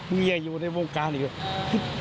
มึงอย่าอยู่ในโบรการอีกเลย